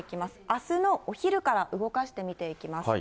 あすのお昼から動かして見ていきます。